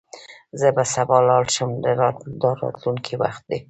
زه به سبا لاړ شم – دا راتلونکی وخت دی.